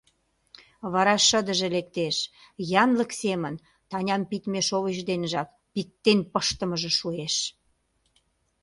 Вара шыдыже лектеш, янлык семын Таням пидме шовыч денжак пиктен пыштымыже шуэш...